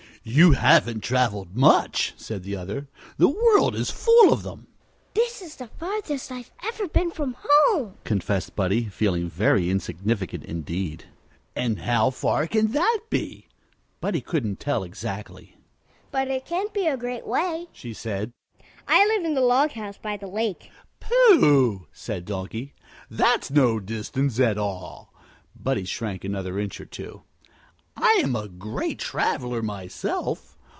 "You haven't traveled much," said the other. "The world is full of them." "This is the farthest I've ever been from home," confessed Buddie, feeling very insignificant indeed. "And how far may that be?" Buddie couldn't tell exactly. "But it can't be a great way," she said. "I live in the log house by the lake." "Pooh!" said the Donkey. "That's no distance at all." Buddie shrank another inch or two. "I'm a great traveler myself.